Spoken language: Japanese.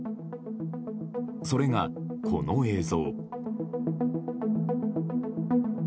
それが、この映像。